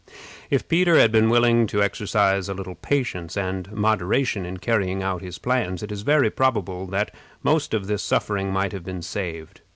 If Peter had been willing to exercise a little patience and moderation in carrying out his plans, it is very probable that most of this suffering might have been saved.